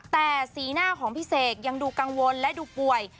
แต่สีหน้าของพี่เสกยังดูกังวลและดูป่วย